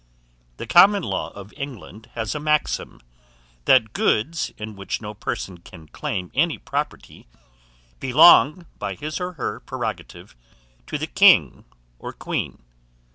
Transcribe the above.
THE COMMON LAW OF ENGLAND has a maxim, that goods, in which no person can claim any property, belong, by his or her prerogative, to the king or queen.